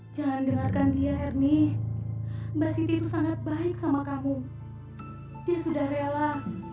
jangan dengarkan dia ernie mbak siti itu sangat baik sama kamu dia sudah rela